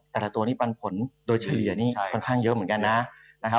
แต่ละตัวนี้ปันผลโดยเฉลี่ยนี่ค่อนข้างเยอะเหมือนกันนะครับ